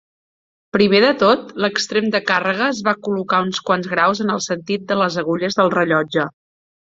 Primer de tot, l'extrem de càrrega es va col·locar uns quants graus en el sentit de les agulles del rellotge.